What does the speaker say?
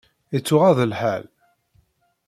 Ittuɣaḍ lḥal.